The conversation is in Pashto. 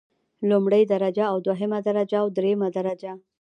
لومړۍ درجه او دوهمه درجه او دریمه درجه.